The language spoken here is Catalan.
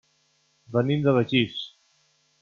Venim de Begís.